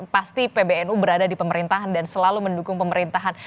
pasti pbnu berada di pemerintahan dan selalu mendukung pemerintahan